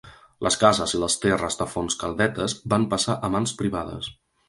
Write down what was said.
Les cases i les terres de Fontscaldetes van passar a mans privades.